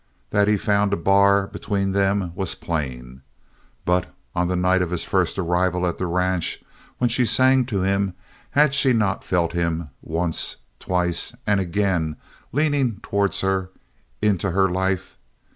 That he found a bar between them was plain. But on the night of his first arrival at the ranch, when she sang to him, had she not felt him, once, twice and again, leaning towards her, into her life.